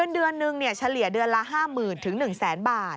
เดือนนึงเฉลี่ยเดือนละ๕๐๐๐๑๐๐๐บาท